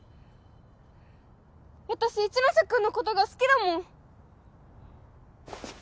私一ノ瀬君のことが好きだもん